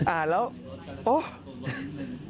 อ่านแล้วโอ๊ย